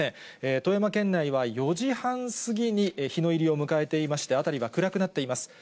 富山県内は４時半過ぎに日の入りを迎えていまして、辺りが暗くなっています。